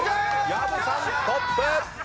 薮さんトップ！